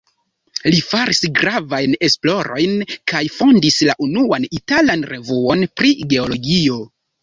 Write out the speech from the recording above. Li faris gravajn esplorojn kaj fondis la unuan italan revuon pri geologio.